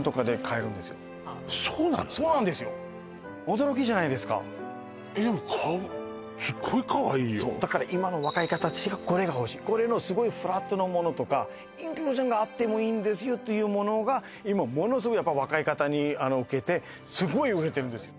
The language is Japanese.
驚きじゃないですかえっかわそうだから今の若い方たちがこれが欲しいこれのすごいフラットのものとかインクルージョンがあってもいいんですよというものが今ものすごい若い方にウケてすごい売れてるんですよ